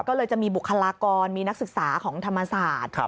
ก็เลยจะมีบุคลากรมีนักศึกษาของธรรมศาสตร์